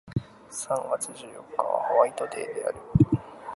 三月十四日はホワイトデーである